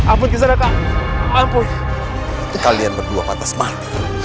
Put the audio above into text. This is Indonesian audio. ampun ke sana kak ampun kalian berdua pantas mati